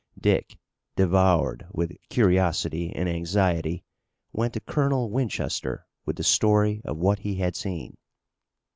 Dick, devoured with curiosity and anxiety, went to Colonel Winchester with the story of what he had seen.